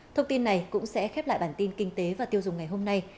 thông tin này cũng sẽ khép lại bản tin kinh tế và tiêu dùng ngày hôm nay